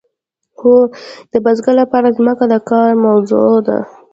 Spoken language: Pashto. هو د بزګر لپاره ځمکه د کار موضوع ده.